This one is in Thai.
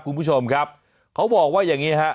คุณผู้ชมครับเขาบอกว่าอย่างนี้ฮะ